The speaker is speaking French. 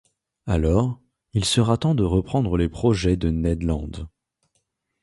Alors, il sera temps de reprendre les projets de Ned Land.